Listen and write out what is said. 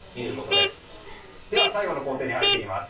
では最後の工程に入っていきます。